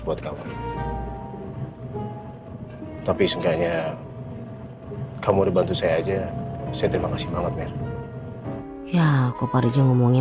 buat kamu tapi seenggaknya kamu udah bantu saya aja saya terima kasih banget mir ya kok pak riza ngomongin